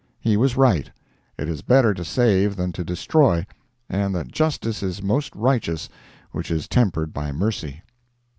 He was right: it is better to save than to destroy, and that justice is most righteous which is tempered by mercy.